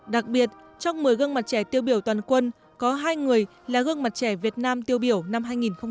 đặc biệt trong một mươi gương mặt trẻ tiêu biểu toàn quân có hai người là gương mặt trẻ việt nam tiêu biểu năm hai nghìn một mươi tám